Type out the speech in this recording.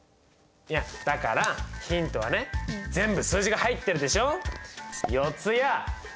いやだからヒントはね全部数字が入ってるでしょ。